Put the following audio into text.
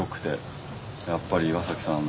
やっぱり岩さんの。